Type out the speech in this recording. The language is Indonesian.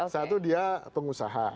satu dia pengusaha